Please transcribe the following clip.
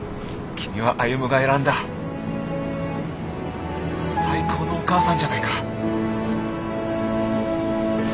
君は歩が選んだ最高のお母さんじゃないか。